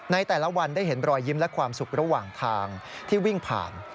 ในแต่ละวันได้เห็นรอยยิ้มและความสุขระหว่างทางที่วิ่งผ่าน